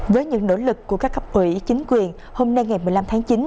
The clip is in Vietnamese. với những nỗ lực của các cấp ủy chính quyền hôm nay ngày một mươi năm tháng chín